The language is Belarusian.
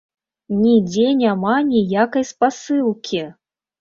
Нідзе няма ніякай спасылкі!